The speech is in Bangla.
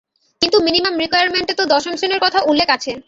কিন্তু মিনিমাম রিকুয়েরমেন্টে তো দশম শ্রেণীর কথা উল্লেখ আছে।